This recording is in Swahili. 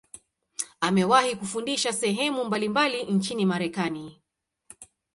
Amewahi kufundisha sehemu mbalimbali nchini Marekani.